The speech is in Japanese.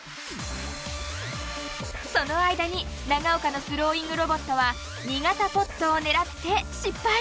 その間に長岡のスローイングロボットは２型ポットを狙って失敗。